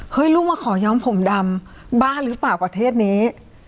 ลูกมาขอย้อมผมดำบ้าหรือเปล่าประเทศนี้